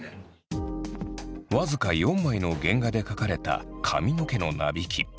僅か４枚の原画で描かれた髪の毛のなびき。